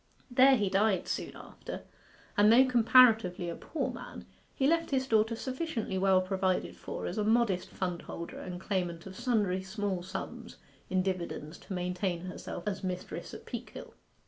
There he died soon after, and though comparatively a poor man, he left his daughter sufficiently well provided for as a modest fundholder and claimant of sundry small sums in dividends to maintain herself as mistress at Peakhill.